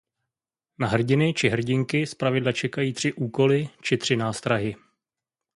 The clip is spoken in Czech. Na hrdiny či hrdinky zpravidla čekají tři úkoly či tři nástrahy.